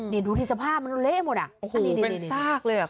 นี่ดูที่สภาพมันเละหมดอะโอ้โหเป็นซากเลยอะ